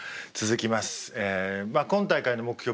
今大会の目標